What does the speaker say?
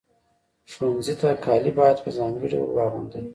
ښوونځي ته کالي باید په ځانګړي ډول واغوندئ.